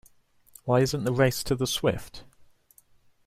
Why isn't the race to the swift?